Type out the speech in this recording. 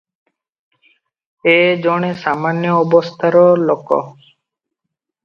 ଏ ଜଣେ ସାମାନ୍ୟ ଅବସ୍ଥାର ଲୋକ ।